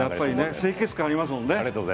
清潔感がありますもんね。